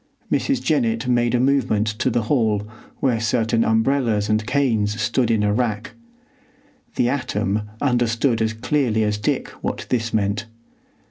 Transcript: Mrs. Jennett made a movement to the hall, where certain umbrellas and canes stood in a rack. The atom understood as clearly as Dick what this meant.